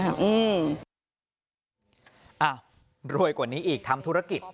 อ้าวรวยกว่านี้อีกทำธุรกิจ